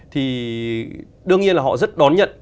thì đương nhiên là họ rất đón nhận